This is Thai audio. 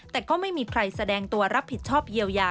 แต่ก็ไม่มีใครแสดงตัวรับผิดชอบเยียวยา